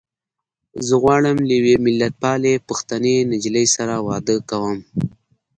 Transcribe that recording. زه غواړم له يوې ملتپالې پښتنې نجيلۍ سره واده کوم.